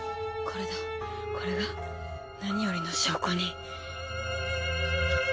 これが何よりの証拠に！